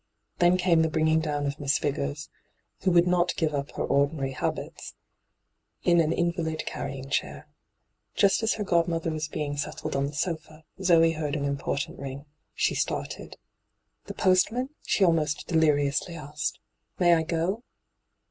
Then came the bringing down of Mies Vigors — who would not give up her ordinary habits — in an invalid carrying chair. Just as her god mother was being settled on her sofa, Zoe heard an important ring. She started. hyGoogIc 272 ENTRAPPED ' The postman ?' she almost deliriously asked. ' Maj I go